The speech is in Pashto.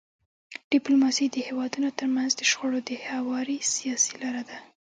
ډيپلوماسي د هیوادونو ترمنځ د شخړو د هواري سیاسي لار ده.